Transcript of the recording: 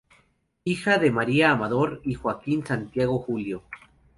Hija de María Amador y Joaquín Santiago "Julio".